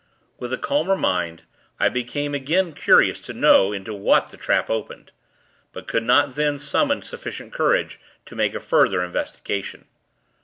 With a calmer mind, I became again curious to know into what that trap opened; but could not, then, summon sufficient courage to make a further investigation.